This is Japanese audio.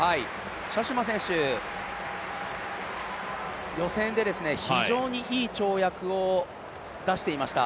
シャシュマ選手、予選で非常にいい跳躍を出していました。